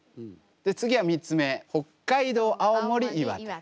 で次は３つ目北海道青森岩手。